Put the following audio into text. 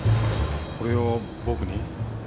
これを僕に？